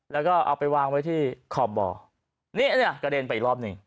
แล้วก็เอาไปวางไว้ที่ขอบบ่อนี่เนี่ยกระเด็นไปอีกรอบหนึ่ง